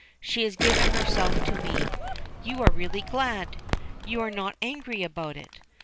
"She has given herself to me. You are really glad! You are not angry about it?